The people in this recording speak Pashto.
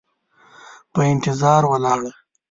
په انتظار ولاړه،